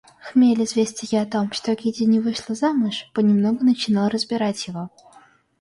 Хмель известия о том, что Кити не вышла замуж, понемногу начинал разбирать его.